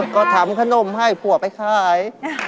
ก็ทำขนมให้ผัวไปขาย